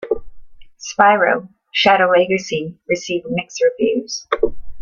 "Spyro: Shadow Legacy" received mixed reviews.